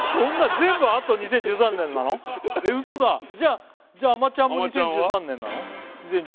えっ嘘だじゃあ「あまちゃん」も２０１３年なの？